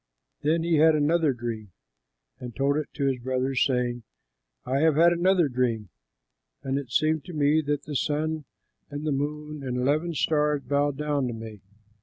Then he had another dream and told it to his brothers, saying, "I have had another dream, and it seemed to me that the sun and the moon and eleven stars bowed down to me."